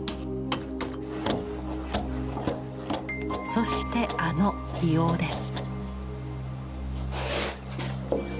そしてあの硫黄です。